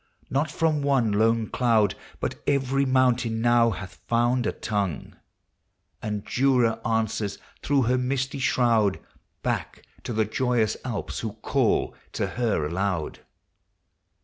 Not from one lone cloud, But every mountain now hath found a tongue, 2U POEMS OF NATURE. And Jura answers, through her misty shroud, Back to the joyous Alps, who call to her aloud!